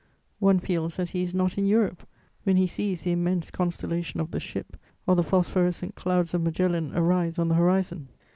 One feels that he is not in Europe, when he sees the immense constellation of the Ship or the phosphorescent Clouds of Magellan arise on the horizon....